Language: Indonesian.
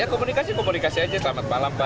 ya komunikasi komunikasi aja selamat malam pak